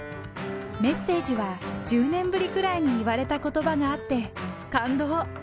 メッセージは１０年ぶりくらいに言われたことばがあって、感動。